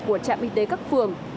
của trạm y tế các phường